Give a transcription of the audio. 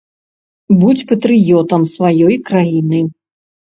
Будзь патрыётам сваёй краіны!